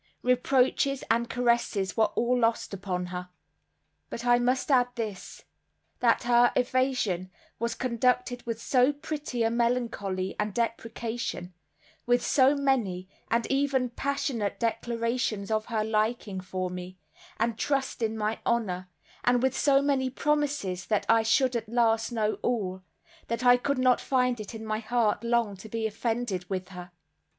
Reproaches and caresses were all lost upon her. But I must add this, that her evasion was conducted with so pretty a melancholy and deprecation, with so many, and even passionate declarations of her liking for me, and trust in my honor, and with so many promises that I should at last know all, that I could not find it in my heart long to be offended with her.